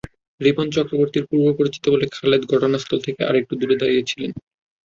রিপন চক্রবর্তীর পূর্বপরিচিত বলে খালেদ ঘটনাস্থল থেকে একটু দূরে দাঁড়িয়ে ছিলেন।